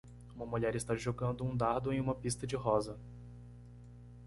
Uma mulher está jogando um dardo em uma pista-de-rosa.